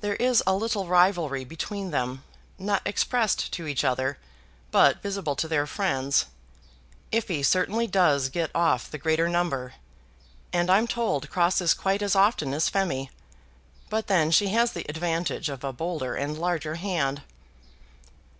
There is a little rivalry between them, not expressed to each other, but visible to their friends. Iphy certainly does get off the greater number, and I'm told crosses quite as often as Phemy, but then she has the advantage of a bolder and larger hand."